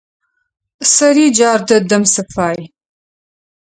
Сэри джар дэдэм сыфай.